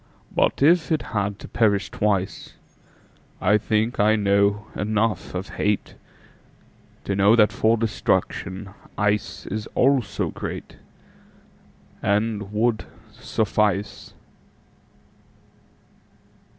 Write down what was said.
But if it had to perish twice,I think I know enough of hateTo know that for destruction iceIs also greatAnd would suffice.